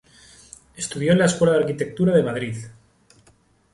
Estudió en la Escuela de Arquitectura de Madrid.